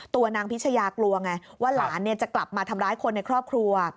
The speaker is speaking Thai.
ตัวนางพิชยากลัวไงว่าหลานจะกลับมาทำร้ายคนในครอบครัว